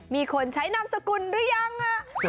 มีคนใช้นามสกุลหรือยัง